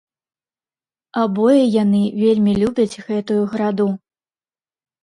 Абое яны вельмі любяць гэтую граду.